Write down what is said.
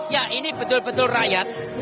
ya ini betul betul rakyat